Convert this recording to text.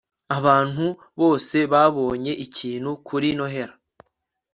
abantu bose babonye ikintu kuri noheri